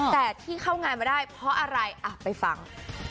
แต่ที่เข้างานมาได้เพราะอะไรไปฟัง